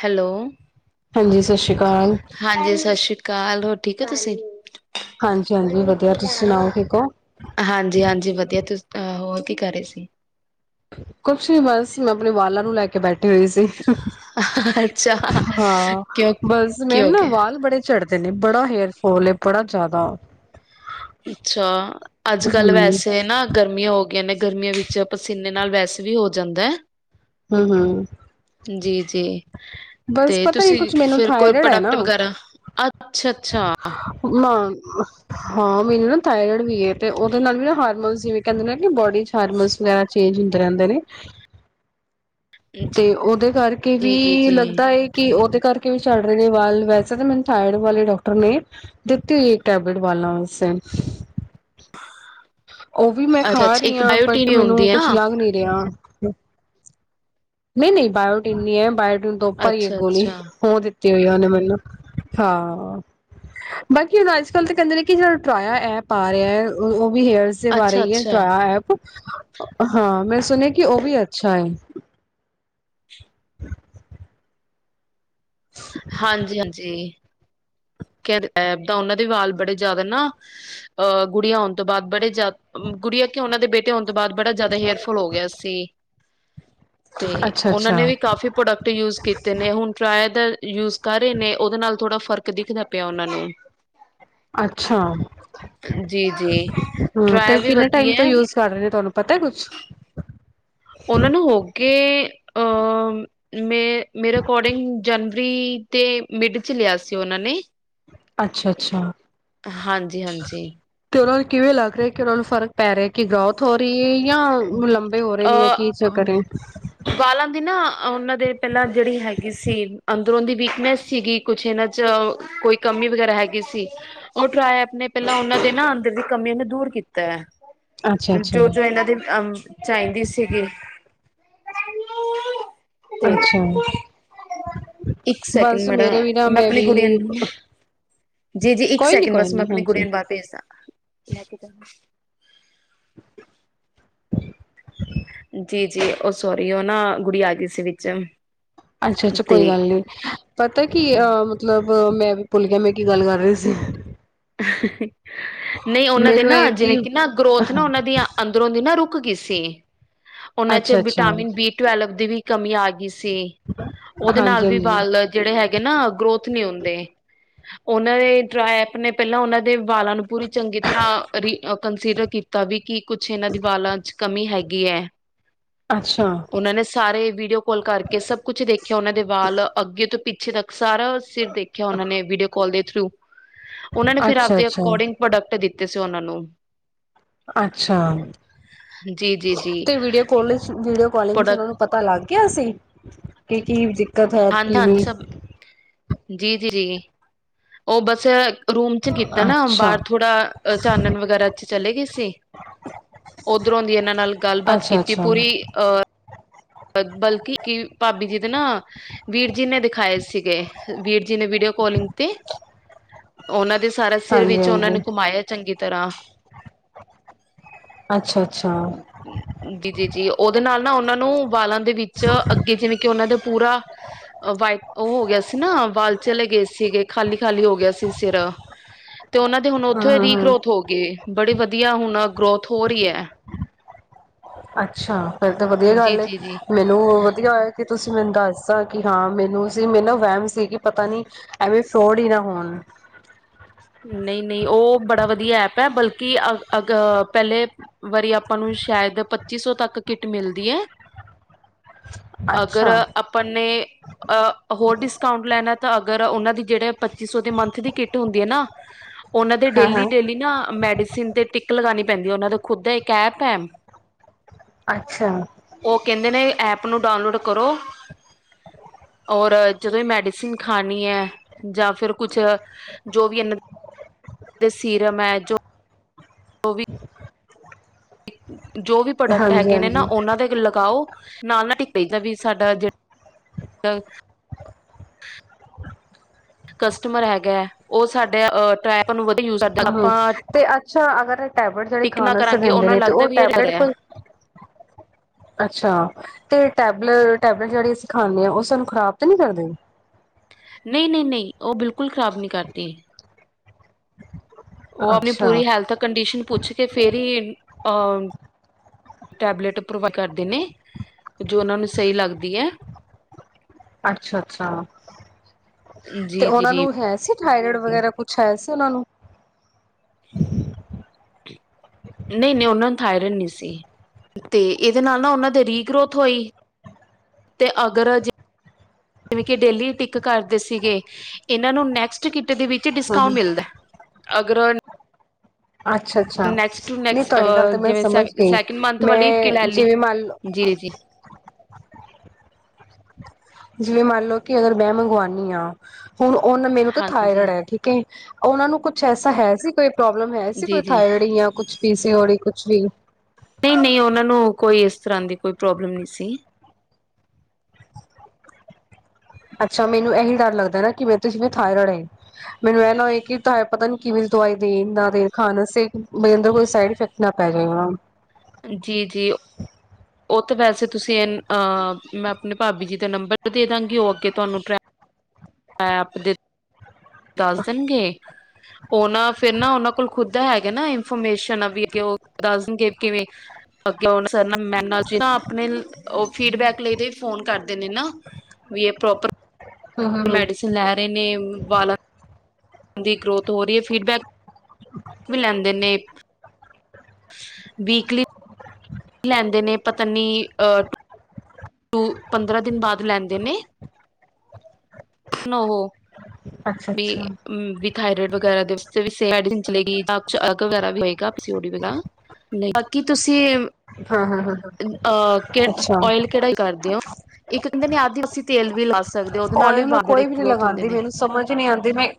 Hello. ਹਾਂਜੀ, ਸਤਿ ਸ਼੍ਰੀ ਅਕਾਲ। ਹਾਂਜੀ, ਸਤਿ ਸ਼੍ਰੀ ਅਕਾਲ ਹੋਰ ਠੀਕ ਹੋ ਤੁਸੀਂ। ਹਾਂਜੀ-ਹਾਂਜੀ ਵਧੀਆ, ਤੁਸੀਂ ਸੁਣਾਓ ਠੀਕ ਓ? ਹਾਂਜੀ-ਹਾਂਜੀ ਵਧੀਆ, ਤੁਸੀ ਹੋਰ ਕੀ ਕਰ ਰਹੇ ਸੀ? ਕੁਛ ਨੀ ਬਸ, ਮੈਂ ਅਪਨੇ ਵਾਲਾਂ ਨੂੰ ਲੈਕੇ ਬੈਠੇ ਹੋਏ ਸੀ। ਅੱਛਾ ਹਾਂ, ਕਿਉਂ ਬਸ ਕੀ ਮੈਂਰੇ ਹੋ ਨਾ ਗਿਆ ਵਾਲ ਬੜੇ ਝੜ੍ਹਦੇ ਨੇ, ਬੜਾ ਹੇਅਰਫਾਲ ਏ ਬੜਾ ਜਾਦਾ। ਅੱਛਾ, ਅੱਜ-ਕੱਲ ਵੈਸੇ ਨਾ ਗਰਮੀਆਂ ਹੋ ਗਈਆਂ ਨੇ, ਗਰਮੀਆਂ ਵਿੱਚ ਪਸੀਨੇ ਨਾਲ ਵੈਸੇ ਵੀ ਹੋ ਜਾਂਦੈ। ਹੂੰ-ਹੂੰ। ਜੀ-ਜੀ, ਬਸ ਤੇ ਪਤਾ ਨੀ ਤੁਸੀਂ ਕੁਛ ਮੈਨੂੰ ਫੇਰ ਕੋਈ ਥਾਇਰਡ ਹੈ ਪ੍ਰੋਡਕਟ ਨਾ ਵਗੈਰਾ ਅੱਛਾ-ਅੱਛਾ। ਨਾਂ ਹਾਂ, ਮੈਨੂੰ ਨਾ ਥਾਇਰੋਇਡ ਵੀਏ, ਤੇ ਓਦੇ ਨਾਲ ਵੀ ਨਾ ਹਾਰਮੋਨ ਜਿਵੇਂ ਕੈਂਦੇ ਨੇ ਕਿ ਬੋਡੀ ਚ ਹਾਰਮੋਨ ਵਗੈਰਾ ਚੇਂਜ ਹੁੰਦੇ ਰੈਂਦੇ ਨੇ। ਜੀ ਤੇ ਉਹਦੇ ਕਰਕੇ ਜੀ ਵੀ ਜੀ ਲੱਗਦਾ ਏ ਕਿ ਉਹਦੇ ਕਰਕੇ ਵੀ ਝੜ ਰਹੇ ਨੇ ਵਾਲ ਵੈਸੇ ਤਾਂ ਮੈਨੂੰ ਥਾਈਡ ਵਾਲੇ ਡਾਕਟਰ ਨੇ ਦਿੱਤੀ ਹੋਈ ਏ ਇੱਕ ਟੈਬਲੇਟ ਵਾਲਾ ਵਾਸਤੇ ਉਹ ਵੀ ਮੈਂ ਅੱਛਾ ਖਾ ਅੱਛਾ ਰਹੀ ਇੱਕ ਆ ਬਟ ਬਾਇਓਟੀਨ ਹੁੰਦੀ ਮੈਨੂੰ ਹੈ ਕੁੱਛ ਨਾ ਲੱਗ ਨੀ ਰਿਆ ਨਹੀਂ ਨਹੀਂ ਬਾਇਓਟੀਨ ਨੀ ਐ ਬਾਇਓਟੀਨ ਤੋਂ ਉੱਪਰ ਹੀ ਇੱਕ ਅੱਛਾ ਗੋਲੀ ਅੱਛਾ ਔ ਦਿੱਤੀ ਤੇ ਹੋਈ ਉਹ ਮੈਨੂੰ ਹਾਂ ਬਾਕੀ ਹੁਣ ਅੱਜ ਕੱਲ ਤਾਂ ਕਹਿੰਦੇ ਨੇ ਕਿ ਜਿਹੜਾ ਟਰਾਇਆ ਐਪ ਆ ਰਿਹਾ ਹੈ ਉਹ-ਉਹ ਵੀ ਹੇਅਰਸ ਅੱਛਾ ਬਾਰੇ ਹੈ ਅੱਛਾ ਟਰਾਆ ਐਪ ਹਾਂ ਮੈਂ ਸੁਣਿਆ ਕਿ ਉਹ ਵੀ ਅੱਛਾ ਹੈ। [unintelligible] ਹਾਂਜੀ-ਹਾਂਜੀ ਕਦ ਉਹਨਾਂ ਦੇ ਵਾਲ ਬੜੇ ਜ਼ਿਆਦਾ ਨਾ ਅਹ ਗੁੜੀਆਂ ਆਉਣ ਤੋਂ ਬਾਅਦ ਬੜੇ ਜ਼ਿਆਦਾ ਗੁੜੀਆਂ ਕਿ ਉਹਨਾਂ ਦੇ ਬੇਟੇ ਹੋਣ ਤੋਂ ਬਾਅਦ ਬੜਾ ਜਿਆਦਾ ਹੇਅਰਫੁਲ ਹੋ ਗਿਆ ਸੀ ਤੇ ਅੱਛਾ ਉਹਨਾਂ ਨੇ ਅੱਛਾ ਵੀ ਕਾਫ਼ੀ ਪ੍ਰੋਡਕਟ ਯੂਜ ਕੀਤੇ ਨੇ ਹੁਣ ਟਰਾਏ ਦਾ ਯੂਜ ਕਰ ਰਹੇ ਨੇ ਉਹਦੇ ਨਾਲ ਥੋੜਾ ਫਰਕ ਦਿਖਦਾ ਪਿਆ ਉਹਨਾਂ ਨੂੰ ਅੱਛਾ ਹਾਂ ਜੀ ਜੀ ਤੇ ਟਰਾਏ ਉਹ ਵੀ ਕਿਨੇ ਟਾਇਮ ਤੋਂ ਵਧੀਆ ਯੂ ਤੁਹਾਡੇ ਤੇ ਤੁਹਾਨੂੰ ਪਤਾ ਕੁਛ ਉਹਨਾਂ ਨੂੰ ਹੋ ਕੇ ਅ ਮੇ ਮੇਰੇ ਅਕੋਰਡਿੰਗ ਜਨ ਰੀ ਤੇ ਮਿਡ ਚ ਲਿਆ ਸੀ ਉਹਨਾਂ ਨੇ ਅੱਛਾ- ਅੱਛਾ ਹਾਂਜੀ ਹਾਂਜੀ ਤੇ ਉਹਨਾਂ ਨੂੰ ਕਿਵੇਂ ਲੱਗ ਰਿਹਾ ਕਿ ਉਹਨਾਂ ਨੂੰ ਫਰਕ ਪੈ ਰਿਹਾ ਕਿ ਗੋਤ ਥਰੇ ਹੋ ਰਹੀ ਹੈ ਜਾਂ ਲੰਬੇ ਹੋ ਰਹੇ ਨੇ ਯ ਕੀ ਅ ਚਕਰ ਹੈ ਵਾਲਾਂ ਦੀ ਨਾ ਉਹਨਾਂ ਦੇ ਪਹਿਲਾਂ ਜਿਹੜੀ ਹੈਗੀ ਸੀ ਅੰਦਰੋਂ ਦੀ ਵੀਕਨੈਸ ਸੀਗੀ ਕੁਛ ਇਹਨਾਂ ਚ ਕੋਈ ਕਮੀ ਵਗੈਰਾ ਹੈਗੀ ਸੀ। ਉਹ ਟਰਾਇ ਆਪ ਨੇ ਪਹਿਲਾਂ ਉਹਨਾਂ ਦੇ ਨਾ ਅੰਦਰ ਦੀ ਕਮੀਆਂ ਨੂੰ ਦੂਰ ਕੀਤਾ ਹੈ ਅੱਛਾ-ਅੱਛਾ। ਜੋ - ਅੱਛਾ ਜੋ ਇਹਨਾਂ ਦੀ ਅ ਚਾਹੀਦੀ ਸੀਗੀ ਤੇ ਅੱਛਾ ਇੱਕ ਸੈਕਿੰਡ ਬਸ ਮਾੜਾ ਮੇਰੇ ਵੀ ਨਾ ਮੈਂ ਆਪਣੇ ਗੁੜੀਆਂ ਵੀ ਨੂੰ ਜੀ - ਜੀ ਇੱਕ ਕੋਈ ਨੀ ਸੈਕਿੰਡ ਕੋਈ ਬਸ ਮੈਂ ਨੀ ਆਪਣੇ ਹਾਂਜੀ। ਗੁੜੀਆਂ ਨੂੰ ਬਾਹਰ ਭੇਜਦਾ [unintelligible] [inaudible] ਜੀ - ਜੀ ਉਹ ਸੋਰੀ ਉਹ ਨਾ ਗੁੜੀ ਆ ਗਈ ਸੀ ਵਿੱਚ ਅੱਛਾ - ਅੱਛਾ ਤੇ ਕੋਈ ਗੱਲ ਨੀ ਪਤਾ ਕੀ ਅ ਮਤਲਬ ਮੈਂ ਵੀ ਭੁੱਲ ਗਿਆ ਮੈਂ ਕੀ ਗੱਲ ਕਰ ਰਹੀ ਸੀ ਨਹੀਂ ਉਹਨਾਂ ਦੇ ਮੈਨੂੰ ਨਾ ਇਹ ਜਿਵੇਂ ਕਿ ਨਾ ਗਰੋਥ ਨਾ ਉਹਨਾਂ ਦੀਆਂ ਅੰਦਰੋਂ ਦੀ ਨਾ ਰੁਕ ਗਈ ਸੀ ਉਹਨਾਂ ਚ ਅੱਛਾ-ਅੱਛਾ ਵਿਟਾਮਿਨ ਬੀ ਟਵੈਲਵ ਦੀ ਵੀ ਕਮੀ ਆ ਗਈ ਸੀ ਉਹਦੇ ਨਾਲ ਵੀ ਹਾਂਜੀ-ਹਾਂਜੀ। ਵੱਲ ਜਿਹੜੇ ਹੈਗੇ ਨਾ ਗਰੋਥ ਨੀ ਹੁੰਦੇ ਉਹਨਾਂ ਦੇ ਟਰਾਏ ਐਪ ਨੇ ਪਹਿਲਾਂ ਉਹਨਾਂ ਦੇ ਵਾਲਾਂ ਨੂੰ ਪੂਰੀ ਚੰਗੀ ਤਰ੍ਹਾਂ ਕੰਸੀਡਰ ਕੀਤਾ ਵੀ ਕਿ ਕੁਛ ਇਹਨਾਂ ਦੀ ਵਾਲਾਂ ਚ ਕਮੀ ਹੈਗੀ ਹੈ ਅੱਛਾ। ਉਹਨਾਂ ਨੇ ਸਾਰੇ ਵੀਡੀਓ ਕਾਲ ਕਰਕੇ ਸਭ ਕੁਛ ਦੇਖਿਆ ਉਹਨਾਂ ਦੇ ਵਾਲ ਅੱਗੇ ਤੋਂ ਪਿੱਛੇ ਤੱਕ ਸਾਰਾ ਸਿਰ ਦੇਖਿਆ ਉਹਨਾਂ ਨੇ ਵੀਡੀਓ ਕਾਲ ਦੇ ਥਰੂ ਉਹਨਾਂ ਨੇ ਫਿਰ ਆਪਦੇ ਅੱਛਾ-ਅੱਛਾ, ਅਕੋਰਡਿੰਗ ਪ੍ਰੋਡਕਟ ਦਿੱਤੇ ਸੀ ਉਹਨਾਂ ਨੂੰ ਅੱਛਾ ਜੀ-ਜੀ-ਜੀ। ਤੇ ਵੀਡੀਓ ਕਾਲਿੰਗ - ਵੀਡੀਓ ਕਾਲਿੰਗ ਚ ਉਹਨਾ ਪ੍ਰੋਡਕਟ ਨੂੰ ਪਤਾ ਲੱਗ ਕਿਹਾ ਸੀ ਕੀ - ਕੀ ਦੀ ਹਾਂ ਹਾਂਜੀ ਸਭ ਜੀ - ਜੀ ਜੀ ਉਹ ਬਸ ਰੂਮ ਚ ਕੀਤਾ ਨਾ ਅੱਛਾ ਬਾਹਰ ਥੋੜਾ ਚਾਨਣ ਵਗੈਰਾ ਚ ਚਲੇ ਗਏ ਸੀ। ਓਧਰੋਂ ਦੀ ਇਹਨਾਂ ਨਾਲ ਗੱਲਬਾਤ ਅੱਛਾ ਕੀਤੀ ਅੱਛਾ ਪੂਰੀ ਅ ਬਲਕਿ ਕਿ ਭਾਬੀ ਜੀ ਦੇ ਨਾ, ਵੀਰ ਜੀ ਨੇ ਦਿਖਾਏ ਸੀਗੇ। ਵੀਰ ਜੀ ਨੇ ਵੀਡੀਓ ਕਾਲਿੰਗ, ਤੇ ਉਹਨਾਂ ਦੇ ਸਾਰਾਸਿਰ ਹਾਂਜੀ ਵਿੱਚ ਉਹਨਾਂ ਹਾਂਜੀ ਨੇ ਘੁਮਾਏਆ ਚੰਗੀ ਤਰਾਂ ਅੱਛਾ, ਅੱਛਾ। ਡੀ ਟੇ ਜੀ ਉਦੇ ਨਾਲ ਨਾ ਉਨਾਂ ਨੂੰ ਵਾਲਾਂ ਦੇ ਵਿੱਚ ਅੱਗੇ ਜਿਵੇਂ, ਕਿ ਉਨਾਂ ਦੇ ਪੂਰਾ ਵਾਈ ਓ ਹੋ ਗਿਆ ਸੀ ਨਾ, ਵਾਲ ਚਲੇ ਗਏ ਸੀਗੇ, ਖਾਲੀ-ਖਾਲੀ ਹੋ ਗਿਆ ਸੀ ਸਿਰ। ਤੇ ਉਨਾਂ ਦੇ ਹੁਨ ਉੱਥੋ ਈ ਹਾਂ ਹਾਂ ਰੀਗਰੋਥ ਹੋ ਗਏ, ਬੜੇ ਵਧੀਆ ਹੁਨ ਗਰੋਥ ਹੋ ਰਹੀ ਐ। ਅੱਛਾ, ਫੇਰ ਤਾਂ ਵਧੀਆ ਜੀ, ਗੱਲ ਏ ਜੀ, ਜੀ। ਮੇ ਲੋ, ਵਧੀਆ ਹੋਇਆ ਕਿ ਤੁਸੀਂ ਮੈਨੂੰ ਦਸ ਤਾਂ ਕਿ ਹਾਂ ਮੈਨੂੰ ਸੀ, ਮੈਨੂੰ ਨਾ ਵਹਿਮ ਸੀਗੀ ਪਤਾ ਨੀ ਐਵੇਂ ਫਰੋਡ ਹੀ ਨਾ ਹੋਨ। ਨਈ-ਨਈ ਓ ਬੜਾ ਵਧੀਆ ਐਪ ਐ, ਬਲਕਿ ਅ ਅਗ ਪਹਿਲੇ ਵਾਰੀ ਆਪਾਂ ਨੂੰ ਸ਼ਾਏਦ ਪੱਚੀ ਸੌ ਤੱਕ ਕਿੱਟ ਮਿਲਦੀ ਏ। [inaudible] ਅਗਰ ਆਪਨ ਨੇ, ਹੋਰ ਡਿਸਕਾਊਂਟ ਲੈਨਾ। ਤਾਂ ਅਗਰ ਉਨਾਂ ਦੀ ਜੇੜੇ ਪੱਚੀ ਸੌ ਦੇ ਮੰਥ ਦੀ ਕਿੱਟ ਹੁੰਦੀ ਏ ਨਾ। ਉਨਾ ਦੇ ਹਾਂ ਹਾਂ ਡੇਲੀ-ਡੇਲੀ ਨਾ ਮੈਡੀਸਨ ਤੇ ਟਿਕ ਲਗਾਨੀ ਪੈਂਦੀ ਏ, ਓਨਾ ਦਾ ਖੁਦ ਦਾ ਏਕ ਐਪ ਏ। ਅੱਛਾ। ਓ ਕਹਿੰਦੇ ਨੇ ਐਪ ਨੂੰ ਡਾਊਨਲੋਡ ਕਰੋ। ਔਰ ਜਦੋਂ ਏ ਮੈਡੀਸਨ ਖਾਨੀ ਏ, ਜਾਂ ਫਿਰ ਕੁਛ ਜੋ ਵੀ ਇਨਾਂ ਦੇ ਸੀਰਮ ਏ ਜੋ ਓ ਵੀ ਜੋ ਵੀ ਪ੍ਰੋਡਕਟ ਹਾਂਜੀ ਹੈਗੇ ਨੇ ਹਾਂਜੀ ਨਾ, ਉਨਾਂ ਦੇ ਲਗਾਓ। ਨਾਲ ਨਾਲ ਟ ਪਦਾ ਵੀ ਸਾਡਾ ਜਿਹੜਾ [unintelligible] ਕਸਟਮਰ ਹੈਗਾ, ਓ ਸਾਡੇ ਅ ਟਰੇਪ ਵੱਧ ਯੂਜ ਕਰ ਹਮ ਹਮ ਤੇ ਅੱਛਾ ਅਗਰ ਏ ਟੈਬੇਟ ਜਿਹੜੇ ਟਿਕ ਨਾ ਖਾਨ ਵਸਤੇ ਕਰਾਂਗੇ ਦਿੰਦੇ ਉਹਨਾਂ ਨੇ, ਨੂੰ ਤੇ ਓ ਲੱਗਦਾ ਵੀ ਇਹ ਟੈਬਲੇਟ ਰਿਹਾ ਕੋਈ ਅੱਛਾ, ਤੇ ਟੈਬਲ ਟੈਬਲੇ ਜਿਹੜੀ ਅਸੀਂ ਖ਼ਾਨੇ ਆਂ, ਓ ਸਾਨੂੰ ਖਰਾਬ ਤਾਂ ਨਹੀਂ ਕਰਦੇ। ਨਈ, ਨਈ, ਨਈ ਓ ਬਿਲਕੁਲ ਖ਼ਰਾਬ ਨਹੀਂ ਕਰਦੀ। ਓ ਆਪਨੀ ਅੱਛਾ ਪੂਰੀ ਹੈਲਥ ਕੰਡੀਸ਼ਨ ਪੁੱਛ ਕੇ ਫੇਰ ਈ ਅ ਟੈਬਲੇਟ ਪ੍ਰੋਵਾਈਡ ਕਰਦੇ ਨੇ, ਜੋ ਉਨਾਂ ਨੂੰ ਸਹੀ ਲੱਗਦੀ ਏ। ਅੱਛਾ, ਅੱਛਾ ਤੇ ਜੀ ਜੀ ਉਨਾਂ ਜੀ ਨੂੰ ਹੈ ਸੀ। ਥਾਇਰਾਇਡ ਵਗੈਰਾ ਕੁੱਛ ਹੈ ਸੀ, ਉਨਾਂ ਨੂੰ। ਠੀਕ। ਨਈ-ਨਈ ਓਨਾ ਨੂੰ ਥਾਇਰਾਇਡ ਨੀ ਸੀ, ਤੇ ਇਦੇ ਨਾਲ ਨਾ, ਉੱਨਾਂ ਦੇ ਰੀ-ਗਰੋਥ ਹੋਈ। ਤੇ ਅਗਰ ਜੇ ਜਿਵੇਂ ਕਿ ਡੇਲੀ ਟਿੱਕ ਕਰਦੇ ਸੀਗੇ, ਇੱਨਾਂ ਨੂੰ ਨੈਕਸ ਟ ਕਿੱਟ ਦੇ ਵਿੱਚ ਡਿਸਕਾਂਓ ਹਾਂ ਮਿਲਦਾ, ਅਗਰ ਓ ਅੱਛਾ, ਅੱਛਾ ਟੂ ਨੀ ਨੈਕਸਟ ਤੁਆਡੀ ਗੱਲ ਤਾਂ, ਮੈਂ ਜਿਵੇਂ ਸਮਝ ਗਈ, ਸੈਕਿੰਡ ਮੰਥ ਵਾਲੀ ਕਿ ਲੈ ਮੈਂ ਲਈ ਜਿਵੇਂ ਮੰਨ ਲੋ ਜੀ ਜੀ ਜਿਵੇਂ ਮੰਨ ਲੋ, ਕਿ ਅਗਰ ਮੈਂ ਮੰਗਵਾਉਂਨੀ ਆਂ, ਹੁਨ ਔਨ-ਮੈਨੂੰ ਤੇ ਹਾਂਜੀ ਥਾਇਰਡ ਹੈ, ਠੀਕ ਕਿ ਓਨਾ ਨੂੰ ਕੁਛ ਐਸਾ ਹੈ ਸੀ, ਕੋਈ ਪ੍ਰੋਬਲਮ ਹੈ ਸੀ, ਕੋਈ ਜੀ ਜੀ ਥਾਇਰਡ ਯਾਂ ਕੁਛ। ਪੀ ਸੀ ਔਡੀ ਕੁੱਛ ਵੀ। ਨਈ -ਨਈ, ਓਨਾਂ ਨੂੰ ਕੋਈ ਇਸ ਤਰ੍ਹਾਂ ਦੀ ਕੋਈ ਪ੍ਰੋਬਲਮ ਨੀ ਸੀ। ਅੱਛਾ, ਮੈਨੂੰ ਐਹੀ ਡਰ ਲੱਗਦਾ ਨਾ, ਕਿ ਮੇਨੂੰ ਤੇ ਜੀਵੇ ਥਾਇਰਡ ਏ। ਮੈਨੂੰ ਐ ਨਾ ਹੋਏ, ਕਿ ਤਾ ਏ ਪਤਾ ਨ ਕਿਵੇਂ ਦੀ ਦਵਾਈ ਦੇਨ ਨਾ ਦੇਨ ਖਾਨ ਆਸੇ ਬੇ ਅੰਦਰ ਕੋਈ ਸਾਏਡਿਫੈਕਟ ਨਾ ਪੈਜੇਗਾ। ਜੀ-ਜੀ। ਔ ਤੇ ਵੈਸੇ ਤੁਸੀਂ, ਅ ਮੈਂ ਆਪਣੇ ਭਾਬੀ ਜੀ ਦਾ ਨੰਬਰ ਦੇ ਦਾਂਗੀ, ਔ ਅੱਗੇ ਤੁਹਾਂਨੂੰ ਟ੍ਰੈ ਮੈਪ ਦੇ ਦੱਸ ਦੇਣਗੇ, ਔਨਾਂ ਫ਼ੇਰ ਨਾ ਔਨਾਂ ਕੋਲ ਖੁਦ ਹੈਗਾ ਨਾ, ਇਨਫੋਰਮੇਸ਼ਨ ਵੀ ਅੱਗੇ ਔ ਦਸ ਦੇ ਦੇਂਣਗੇ ਕਿਵੇਂ [unintelligible] ਆਪਣੇ ਔ ਫੀਡਬੈਕ ਲੇ ਦੇ ਫ਼ੋਨ ਕਰਦੇ ਨੇ ਨਾ ਵੀ ਐ ਪ੍ਰੋਪਰ ਹੂੰ ਹੂੰ ਹੂੰ ਮੈਡੀਸਨ ਲੈ ਰਹੇ ਨੇ, ਵਾਲਾਂ ਦੀ ਗਰੋਥ ਹੋ ਰਹੀ ਏ, ਫੀਡਬੈਕ ਵੀ ਲੈਂਦੇ ਨੇ। ਵੀਕਲੀ ਲੈਂਦੇ ਨੇ, ਪਤਾ ਨੀ ਅ ਟੂ ਪੰਦਰਾਂ ਦਿਨ ਬਾਅਦ ਲੈਂਦੇ ਨੇ, ਔਹ ਅੱਛਾ ਅੱਛਾ। ਬੀ ਥਾਏਰਡ ਵਗੈਰਾ ਮੈਡੀਸਨ [unintelligible] ਚੈਕ ਵਗੈਰਾ ਵੀ ਹੋਏਗਾ ਪੀਸੀਔਡੀ ਦਾ। ਬਾਕੀ ਤੁਸੀਂ, ਹਾਂ ਹਾਂ ਹਾਂ ਅ ਅੱਛਾ ਔਇਲ ਕਿਹੜਾ ਯੁ ਕਰਦੇ ਔ, ਇੱਕ ਕਹਿੰਦੇ ਨੇ ਆਦਿਵਾਸੀਂ ਤੇਲ ਵੀ ਲਾ ਸ ਔਇਲ ਮੈਂ ਕੋਈ ਵੀ ਨੀ ਲਗਾਂਦੀ, ਮੈਨੂੰ ਸਮਝ ਨੀ ਆਂਦੀ ਪਈ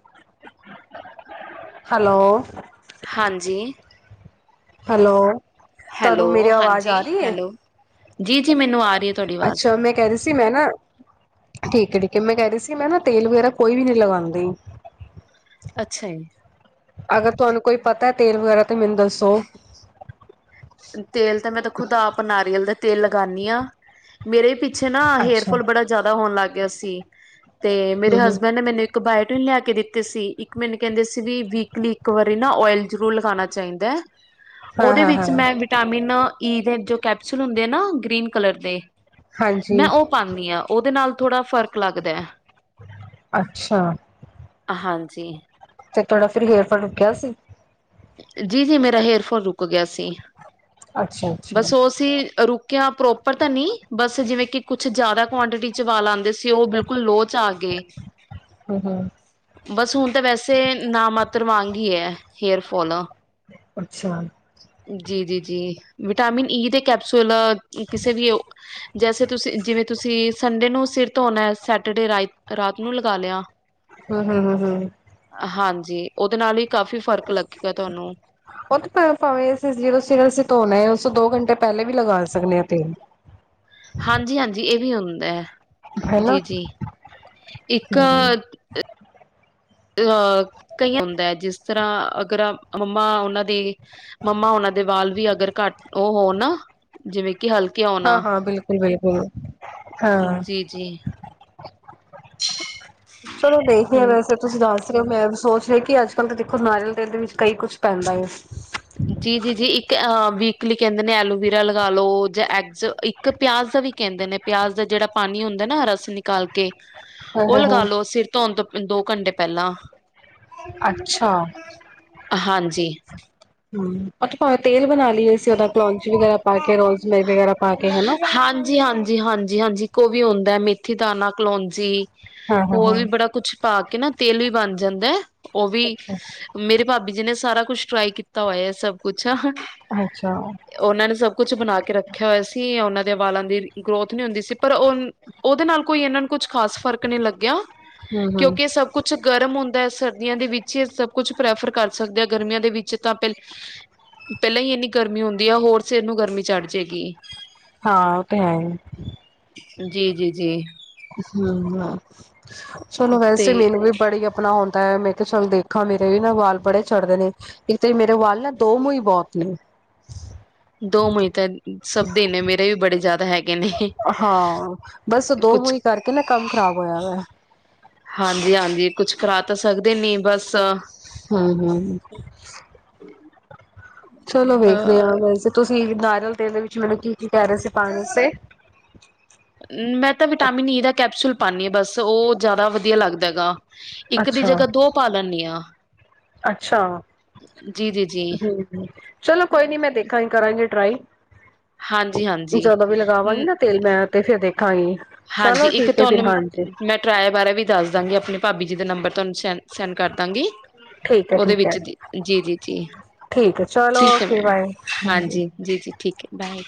ਹੈਲੋ। ਹਾਂਜੀ, ਹੈਲੋ ਹੈਲੋ ਤੁਹਾਨੂੰ ਮੇਰੀ ਆਵਾਜ਼ ਹਾਂਜੀ, ਆ ਰਹੀ ਹੈ ਹੈਲੋ। ਜੀ-ਜੀ, ਮੈਨੂੰ ਆ ਰਹੀ ਹੈ ਤੁਹਾਡੀ ਆਵਾਜ਼। ਅੱਛਾ, ਮੈਂ ਕਹਿ ਰੀ ਸੀ ਮੈਂ ਨਾ, ਠੀਕ ਏ-ਠੀਕ ਏ ਮੈਂ ਕਹਿ ਰੀ ਸੀ ਮੈਂ ਨਾ ਤੇਲ ਵਗ਼ੈਰਾ ਕੋਈ ਵੀ ਨੀ ਲਗਾਂਦੀ। ਅੱਛਾ ਜੀ। ਅਗਰ ਤੁਹਾਨੂੰ ਕੋਈ ਪਤਾ ਐ, ਤੇਲ ਵਗੈਰਾ ਤੇ ਮੈਂਨੂੰ ਦੱਸੋ। ਤੇਲ ਤਾਂ ਮੈਂ ਤਾ ਖੁਦ ਆਪ ਨਾਰੀਅਲ ਦਾ ਤੇਲ ਲਗਾਨੀ ਆਂ, ਮੇਰੇ ਪੇ ਪਿੱਛੇ ਨਾ ਅੱਛਾ ਹੇਅਰਫੋਲ ਬੜਾ ਜਾਦਾ ਹੋਣ ਲੱਗ ਗਿਆ ਸੀ, ਤੇ ਮੇਰੇ ਹੂੰ ਹੂੰ ਹਸਬੈਂਡ ਨੇ ਮੈਨੂੰ ਕਬਾਇਟਿਰਿਨ ਲਿਆ ਕੇ ਦਿੱਤੀ ਸੀ, ਇੱਕ ਮੈਨੂੰ ਕੈਂਦੇ ਸੀ ਵੀ ਵੀਕਲੀ ਇੱਕ ਵਾਰੀ ਨਾ ਔਇਲ ਜ਼ਰੂਰ ਲਗਾਣਾ ਚਾਈਦਾ ਐ। ਹਾਂ ਉਹਦੇ ਹਾਂ ਵਿੱਚ। ਹਾਂ ਮੈਂ ਵਿਟਾਮਿਨ ਈ ਦੇ ਜੋ ਕੈਪਸੂਲ ਹੁੰਦੇ ਨਾ, ਗ੍ਰੀਨ ਕਲਰ ਦੇ ਮੈਂ ਹਾਂਜੀ ਔ ਪਾਨੀ ਆ, ਔਦੇ ਨਾਲ ਥੋੜਾਂ ਫਰਕ ਲੱਗਦਾ ਐ। ਅੱਛਾ। ਹਾਂਜੀ। ਤੇ ਤੁਹਾਡਾ, ਫ਼ਿਰ ਹੇਅਰ ਫੋਲ ਰੁਕਿਆ ਸੀ। ਜੀ-ਜੀ ਮੇਰਾ ਹੇਅਰਫੋਲ ਰੁਕ ਗਿਆ ਸੀ, ਅੱਛਾ ਅੱਛਾ ਬਸ ਔਸੀ ਰੁਕ ਕਿਆ ਪ੍ਰੋਪਰ ਤਾਂ ਨੀ ਬਸ ਜਿਵੇਂ ਕਿ ਕੁੱਛ ਜਾਦਾ ਕੁਆਂਟਿਟੀ ਚ ਵਾਲ ਆਂਦੇ ਸੀ, ਔ ਬਿਲਕੁਲ ਲੋਅ ਚ ਆਗੇ। ਹੂੰ-ਹੂੰ। ਬਸ ਹੁਣ ਤੇ ਵੈਸੇ ਨਾ ਮਾਤਰ ਵਾਂਗ ਈ ਐ, ਹੇਅਰਫੋਲ। ਅੱਛਾ। ਜੀ-ਜੀ-ਜੀ, ਵਿਟਾਮਿਨ ਈ ਦੇ ਕੈਪਸੂਲ। ਈ ਕਿਸੇ ਵੀ ਓ, ਜੈਸੇ ਤੁਸੀਂ ਜਿਵੇਂ ਤੁਸੀਂ ਸੰਡੇ ਨੂੰ ਸਿਰ ਧੋਣਾਂ, ਸੈਟਰਡੇ ਰਾਈ ਰਾਤ ਨੂੰ ਲਗਾਂ ਲਿਆ। ਹੂੰ -ਹੂੰ-ਹੂੰ-ਹੂੰ। ਹਾਂਜੀ ਉਹਦੇ ਨਾਲ ਹੀ ਕਾਫ਼ੀ ਫ਼ਰਕ ਲੱਗੇਗਾ ਤੁਹਾਨੂੰ। ਉਹ ਤਾਂ ਭਾਵੇਂ ਅਸੀਂ ਜਦੋਂ ਸਿਰ ਅਸੀਂ ਧੋਣਾ ਏ ਉਸ ਤੋਂ ਦੋ ਘੰਟੇ ਪਹਿਲੇ ਵੀ ਲਗਾ ਸਕਨੇ ਆ ਤੇਲ। ਹਾਂਜੀ- ਹਾਂਜੀ ਇਹ ਵੀ ਹੁੰਦਾ ਐ ਹੈਨਾ ਜੀ- ਜੀ ਇੱਕ ਅਹ ਕਈਆਂ ਨੂੰ ਹੁੰਦਾ, ਜਿਸ ਤਰ੍ਹਾਂ ਅਗਰ ਮੰਮਾ ਉਹਨਾਂ ਦੀ ਮੰਮਾ ਹੋਨਾਂ ਦੇ ਵਾਲ ਵੀ ਅਗਰ ਘੱਟ ਉਹ ਹੋ ਨਾ ਜਿਵੇਂ ਕਿ ਹਲਕੇ ਹੋਣ ਹਾਂ ਹਾਂ ਬਿਲਕੁਲ ਬਿਲਕੁਲ ਹਾਂ ਜੀ। ਜੀ। ਚਲੋ ਦੇਖਦੇ ਵੈਸੇ ਤੁਸੀ ਦਸ ਰੇ ਓ ਮੈਂ ਸੋਚ ਰਈ ਕਿ ਅੱਜ ਮਤਲਬ ਦੇਖੋ ਨਾਰੀਯਲ ਤੇਲ ਦੇ ਵਿੱਚ ਕਈ ਕੁੱਛ ਪੈਂਦਾ ਏ। ਜੀ- ਜੀ- ਜੀ ਇੱਕ ਅ ਵੀਕਲੀ ਕਹਿੰਦੇ ਨੇ ਐਲੋਵੀਰਾ ਲਗਾਲੋ ਜਾਂ ਐਗਜ਼ ਇੱਕ ਪਆਜ਼ ਦਾ ਵੀ ਕਹਿੰਦੇ ਨੇ ਪਆਜ਼ ਦਾ ਕੇਦਾ ਜੇੜਾ ਪਾਣੀ ਹੁੰਦੈ ਨਾ ਰਸ ਨਿਕਾਲ ਕੇ ਤੇ ਹੋ ਉਹ ਹੋ ਹੋ ਲਗਾ ਲੋ ਸਿਰ ਧੋਣ ਤੋਂ ਦੋ ਘੰਟੇ ਪਹਲਾਂ। ਅੱਛਾ ਹਾਂਜੀ। ਉਹ ਤੇ ਪਾਂਵੇ ਤੇਲ ਬਣਾ ਲਈਏ ਅਸੀ ਉਦਾ ਕਲੋਂਚੀ ਵਗੈਰਾ ਪਾ ਕੇ, ਰੋਜ਼ਮਰੀ ਵਗੈਰਾ ਪਾ ਕੇ ਹਨਾ। ਹਾਂਜੀ, ਹਾਂਜੀ, ਹਾਂਜ। ਜੀ ਹਾਂਜੀ। ਇਕ ਉਹ ਵੀ ਹੋਦਾ ਮੇਥੀ ਦਾਨਾ, ਕਲੋਂਜੀ ਹਾਂ ਹਾਂ ਹੋਰ ਹਾਂ ਵੀ ਬੜਾ ਕੁਛ ਪਾ ਕੇ ਨਾ ਤੇਲ ਵੀ ਬਣ ਜਾਂਦੈ ਹੈ ਉਹ ਵੀ ਅੱਛਾ ਮੇਰੇ ਭਾਬੀ ਜੀ ਨੇ ਸਾਰਾ ਕੁਛ ਟਰਾਈ ਕੀਤਾ ਹੋਯੈ ਸਭ ਕੁਛ। ਹਛਾ। ਅਓਨਾਂ ਨੇ ਸਭ ਕੁਛ ਬਣਾ ਕੇ ਰੱਖਯਾ ਹੋਯਾ ਸੀ, ਔਨਾਂ ਦੇ ਵਾਲਾਂ ਦੀ ਗਰੋਥ ਨੀ ਹੁੰਦੀ ਸੀ। ਪਰ ਉਹ ਉਹਦੇ ਨਾਲ ਕੋਈ ਇਨਾਂ ਨੂੰ ਕੁਛ ਖ਼ਾਸ ਫ਼ਰਕ ਨਹੀਂ ਲੱਗਿਆ ਹੂੰ ਹੂੰ ਕਿਉਂਕਿ ਸਭ ਕੁਛ ਗਰਮ ਹੁੰਦਾ ਹੈ। ਸਰਦੀਆਂ ਦੇ ਵਿੱਚ ਹੀ ਸਭ ਕੁਛ ਪ੍ਰੈਫਰ ਕਰ ਸਕਦੇ ਆ, ਗਰਮੀਆਂ ਦੇ ਵਿੱਚ ਤਾਂ ਪਰ ਪੈਲਾਂ ਈ ਇੰਨੀ ਗਰਮੀ ਹੁੰਦੀ ਆ ਹੋਰ ਸਿਰ ਨੂੰ ਗਰਮੀ ਚੜ੍ ਜੇ ਗੀ। ਹਾਂ ਉਹ ਤੇ ਹੈ। ਜੀ- ਜੀ- ਜੀ। ਹਮ ਚਲੋ ਤੇ ਵੈਸੇ ਮੈਨ ਵੀ ਬੜੀ ਆਪਣਾ ਹੁੰਦੈ, ਮੈਂ ਕਿਹਾ ਚਲ ਦੇਖਾਂ ਮੇਰੇ ਵੀ ਨਾ ਵਾਲ ਬੜੇ ਝੜ੍ਦੇ ਨੇ। ਇੱਕ ਤੇ ਮੇਰੇ ਵਾਲ ਨਾ ਦੋ ਮੂੰਈ ਬੋਤ ਨੇ। ਦੋ ਮੂਈ ਤੇ ਸਭ ਦੀ ਨੇ, ਮੇਰੇ ਵੀ ਬੜੇ ਜਾਦਾ ਹੈਗੇ। ਨੇ ਹਾਂ ਬਸ ਦੋ ਕੁਛ ਮੂਈ ਕਰਕੇ ਨਾ ਕੰਮ ਖ਼ਰਾਬ ਹੋਯਾ ਵੈ। ਹਾਂਜੀ- ਹਾਂਜੀ। ਕੁਛ ਕਰਾ ਤਾਂ ਸਕਦੇ ਨੀ ਬਸ ਹਮ, ਹਮ। ਚਲੋ ਅਹ ਵੇਖਨੇ ਆ ਵੈਸੇ ਤੁਸੀ ਨਾਰੀਯਲ ਤੇਲ ਦੇ ਵਿੱਚ ਮੈਨੂੰ ਕੀ -ਕੀ ਕਹ ਰਏ ਸੀ ਪਾਨ ਵਾਸਤੇ। ਮੈਂ ਤੇ ਵਿਟਾਮਿਨ ਈ ਦਾ ਕੈਪਸੂਲ ਪਾਨੀਂ ਆ। ਬਸ ਉਹ ਜਾਦਾ ਵਧੀਯਾ ਲੱਗਦਾ ਹੈਗਾ। ਇੱਕ ਦੀ ਅੱਛਾ। ਜਗਾ ਦੋ ਪਾ ਲੈਂਨੀ ਆ। ਅੱਛਾ। ਜੀ-ਜੀ-ਜੀ, ਹੂ ਚਲੋ ਕੋਈ ਨੀ ਮੈਂ ਦੇਖਾਂਗੀ। ਕਰਾਂਗੇ ਟਰਾਈ। ਹਾਂਜੀ-ਹਾਂਜੀ। ਜਦੋਂ ਵੀ ਹਾਂਜੀ ਲਗਾਵਾਂਗੀ ਹਾਂਜੀ। ਨਾ ਤੇਲ ਮੈਂ ਤੇ ਫੇਰ ਦੇਖਾਂਗੀ। ਹਾਂਜੀ, ਚਲੋ ਇੱਕ ਠੀਕ ਹੈ ਫਿਰ, ਤੁਹਾਨੂੰ ਹਾਂਜੀ। ਮੈਂ ਟਰਾਏ ਬਾਰੇ ਵੀ ਦੱਸ ਦਾਂਗੀ। ਆਪਣੀ ਭਾਬੀ ਜੀ ਦੇ ਨੰਬਰ ਤੁਹਾਨੂੰ ਸੈਨ- ਸੈਂਨ ਕਰਦਾਂ ਗੀ। ਠੀਕ ਹੈ ਉਦੇ ਠੀਕ ਹੈ। ਵਿੱਚ ਜ ਜੀ- ਜੀ- ਜੀ ਠੀਕ ਹੈ ਚਲੋ ਠੀਕ ਹੈ ਓਕੇ ਮੈਮ ਬਾਏ। ਹਾਂਜੀ। ਜੀ -ਜੀ ਠੀਕ ਹੈ ਬਾਏ।